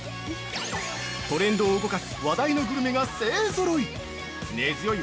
トレンドを動かす話題のグルメが勢ぞろい。